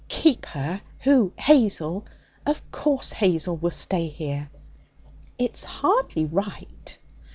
'Keep her! Who? Hazel? Of course Hazel will stay here.' 'It's hardly right.'